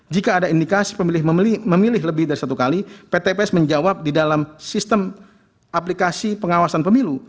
jika ada indikasi memilih lebih dari satu kali pt ps menjawab di dalam sistem aplikasi pengawasan pemilu